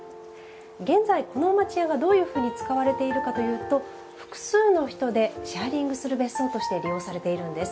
現在、この町家がどういうふうに使われているかというと複数の人でシェアリングする別荘として利用されているんです。